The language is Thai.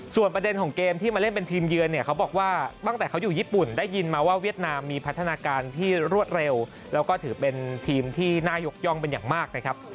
ส่วนประเด็นของเกมที่มาเล่นเป็นทีมเยือนเนี่ยเขาบอกว่าตั้งแต่เขาอยู่ญี่ปุ่นได้ยินมาว่าเวียดนามมีพัฒนาการที่รวดเร็วแล้วก็ถือเป็นทีมที่น่ายกย่องเป็นอย่างมากนะครับ